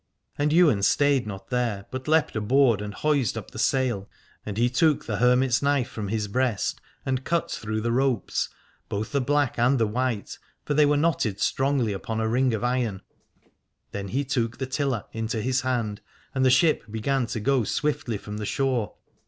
And Ywain stayed not there, but leapt aboard and hoised up the sail : and he took the hermit's 254 Alad ore knife from his breast and cut through the ropes, both the black and the white, for they were knotted strongly upon a ring of iron. Then he took the tiller into his hand, and the ship began to go swiftly from the shore.